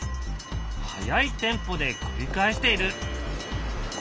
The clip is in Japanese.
速いテンポで繰り返している。